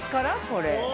これ。